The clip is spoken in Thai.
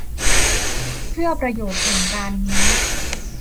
เพื่อประโยชน์แห่งการนี้